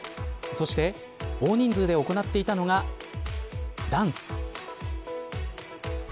そして大人数で行っていたのがダンス。